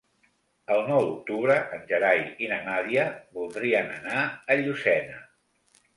El nou d'octubre en Gerai i na Nàdia voldrien anar a Llucena.